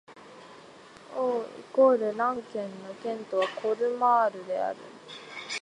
オー＝ラン県の県都はコルマールである